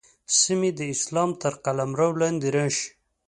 سیمې د اسلام تر قلمرو لاندې راشي.